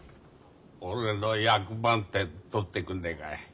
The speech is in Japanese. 俺の役ばんてん取ってくんねえかい。